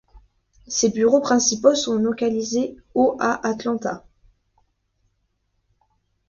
Ses bureaux principaux sont localisés au à Atlanta.